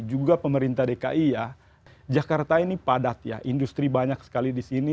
juga pemerintah dki ya jakarta ini padat ya industri banyak sekali di sini